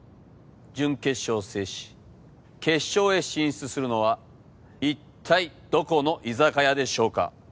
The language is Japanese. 準決勝を制し決勝へ進出するのは一体どこの居酒屋でしょうか？